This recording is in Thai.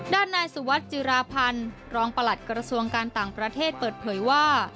ด้านนายสุวัสดิจิราพันธ์รองประหลัดกระทรวงการต่างประเทศเปิดเผยว่า